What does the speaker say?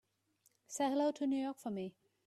Say hello to New York for me.